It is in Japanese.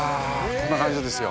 こんな感じですよ。